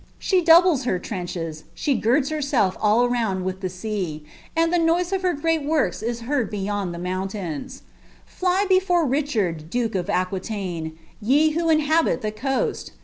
She dnublea iMt trenches, she girds herself all round with the sea. aud llie nouie of \m great works is heard beyond the mountains, Fly before Ricliani. dote of Aquiiaine, ye who inhabit the coast!